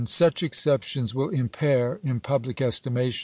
Such exceptions will impair, in public estimation, cuap.